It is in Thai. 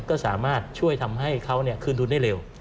ก็สามารถช่วยทำให้เขาคืนทุนได้เร็ว